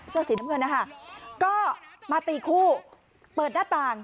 เสื้อสีน้ำเงินนะคะก็มาตีคู่เปิดหน้าต่าง